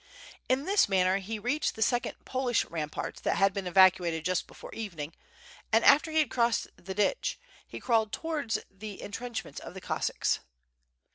In this manner he reached the second Polish rampart that had been evacuated just before evening, and after he had crossed the ditch, he crawled towards the en trenchments of the Cossacks.